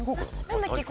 何だっけ？